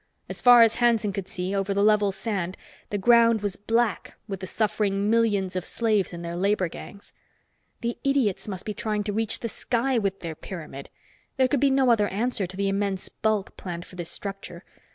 As far as Hanson could see, over the level sand, the ground was black with the suffering millions of slaves in their labor gangs. The idiots must be trying to reach the sky with their pyramid. There could be no other answer to the immense bulk planned for this structure.